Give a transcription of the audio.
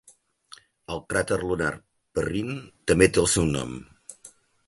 El cràter lunar Perrine també té el seu nom.